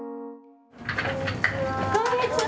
こんにちは。